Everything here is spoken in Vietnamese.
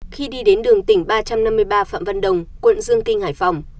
khi đi đến đường tỉnh ba trăm năm mươi ba phạm văn đồng quận dương kinh hải phòng